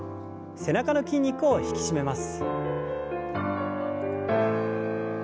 背中の筋肉を引き締めます。